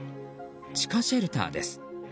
地下シェルターです。